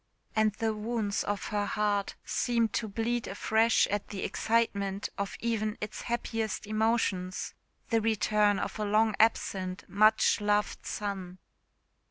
And the wounds of her heart seemed to bleed afresh at the excitement of even its happiest emotions the return of a long absent, much loved son.